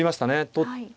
取って。